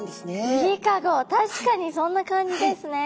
確かにそんな感じですね。